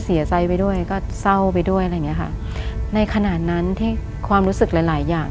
เสียใจไปด้วยก็เศร้าไปด้วยอะไรอย่างเงี้ยค่ะในขณะนั้นที่ความรู้สึกหลายหลายอย่าง